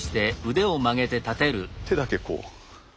手だけこう。